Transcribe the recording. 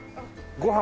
ご飯